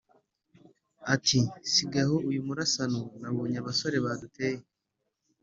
ati: sigaho uyu murasano nabonye abasore baduteye.